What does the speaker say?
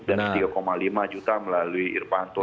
dan tiga lima juta melalui irpanto